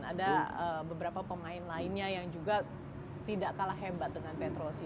ada beberapa pemain lainnya yang juga tidak kalah hebat dengan petrosi